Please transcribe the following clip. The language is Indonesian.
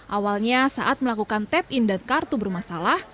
awalnya saat melakukan tap in dan kartu bermasalah